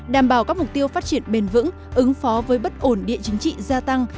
đảm bảo các mục tiêu phát triển bền vững ứng phó với bất ổn địa chính trị gia tăng